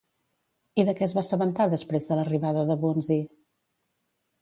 I de què es va assabentar després de l'arribada de Bunzi?